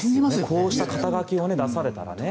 こうした肩書を出されたらね。